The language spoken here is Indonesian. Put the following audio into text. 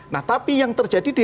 nah tapi yang terjadi di